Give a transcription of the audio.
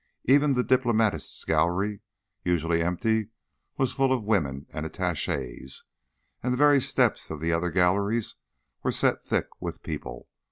Even the Diplomatists' Gallery, usually empty, was full of women and attaches, and the very steps of the other galleries were set thick with people.